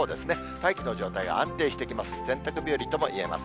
大気の状態が安定してきます。